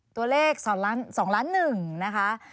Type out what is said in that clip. ตัวเลข๒ล้าน๑นะคะ